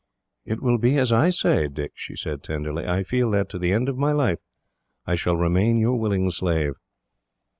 "It will be as I say, Dick," she said tenderly. "I feel that, to the end of my life, I shall remain your willing slave."